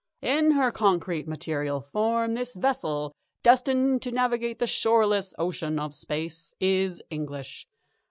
In her concrete material form this vessel, destined to navigate the shoreless Ocean of Space, is English.